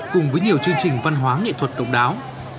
cùng với nhiều chương trình văn hóa nghệ thuật độc đáo